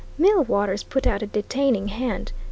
Millwaters put out a detaining hand.